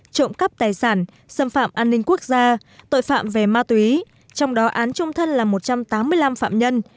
trộm cắp tài sản xâm phạm an ninh quốc gia tội phạm về ma túy trong đó án trung thân là một trăm tám mươi năm phạm nhân